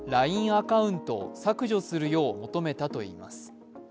アカウントを削除するよう求めたといいます。